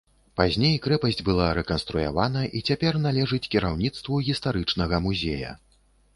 Пазней крэпасць была рэканструявана і цяпер належыць кіраўніцтву гістарычнага музея.